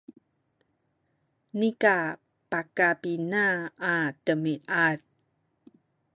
nika pakapina a demiad